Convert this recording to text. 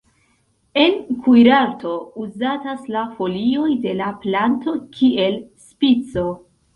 En kuirarto uzatas la folioj de la planto kiel spico.